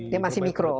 dia masih mikro